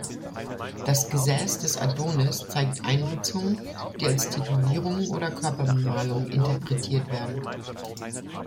Das Gesäß des Adonis zeigt Einritzungen, die als Tätowierungen oder Körperbemalung interpretiert werden.